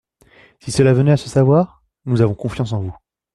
Si cela venait à se savoir ? Nous avons confiance en vous.